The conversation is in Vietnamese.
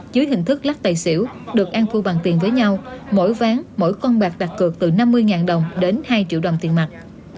dưới hình thức lắc tài xỉu được an thu bằng tiền với nhau mỗi ván mỗi con bạc đặt cược từ năm mươi đồng đến hai triệu đồng tiền mặt